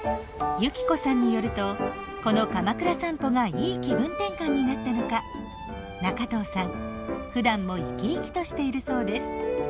由希子さんによるとこのかまくら散歩がいい気分転換になったのか仲藤さんふだんも生き生きとしているそうです。